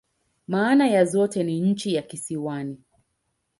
Maana ya zote ni "nchi ya kisiwani.